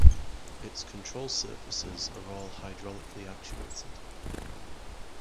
Its control surfaces are all hydraulically actuated.